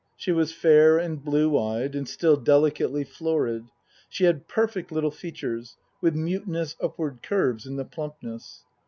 She was fair and blue eyed and still delicately florid ; she had perfect little features, with mutinous upward curves in the plumpness.